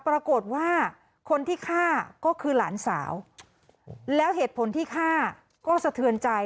ปรากฏว่าคนที่ฆ่าก็คือหลานสาวแล้วเหตุผลที่ฆ่าก็สะเทือนใจ